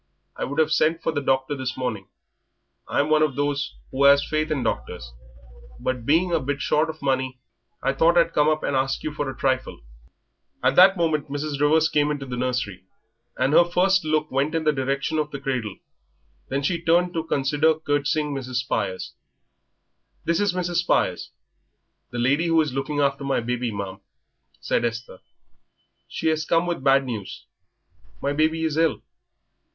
I would 'ave sent for the doctor this morning I'm one of those who 'as faith in doctors but being a bit short of money I thought I'd come up and ask you for a trifle." At that moment Mrs. Rivers came into the nursery and her first look went in the direction of the cradle, then she turned to consider curtseying Mrs. Spires. "This is Mrs. Spires, the lady who is looking after my baby, ma'am," said Esther; "she has come with bad news my baby is ill."